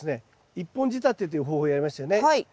１本仕立てという方法をやりましたよね。